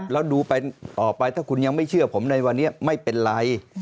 แล้วดูไปต่อไปถ้าคุณยังไม่เชื่อผมในวันนี้ไม่เป็นไร